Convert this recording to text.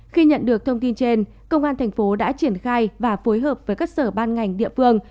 khi nhận được thông tin trên công an thành phố đã triển khai và phối hợp với các sở ban ngành địa phương